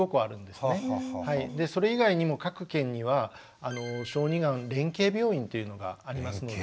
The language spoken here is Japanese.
でそれ以外にも各県には小児がん連携病院っていうのがありますので。